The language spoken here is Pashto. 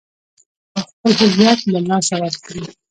او خپل هويت له لاسه ور کړي .